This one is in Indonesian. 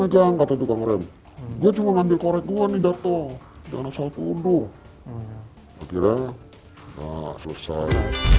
pegang kata tukang rem gue cuma ngambil korek gua nih datang dan asalku unduh kira kira selesai